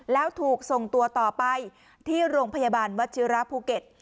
แล้วถูกส่งตัวต่อไปที่โรงพยาบาลวัชิระภูเก็ต